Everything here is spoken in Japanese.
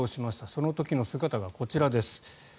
その時の姿がこちらです。